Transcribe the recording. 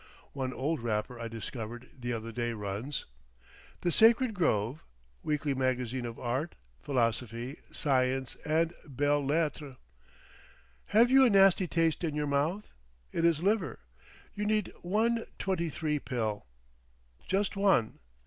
One old wrapper I discovered the other day runs:— "THE SACRED GROVE." A Weekly Magazine of Art, Philosophy, Science and Belles Lettres. HAVE YOU A NASTY TASTE IN YOUR MOUTH? IT IS LIVER. YOU NEED ONE TWENTY THREE PILL. (JUST ONE.)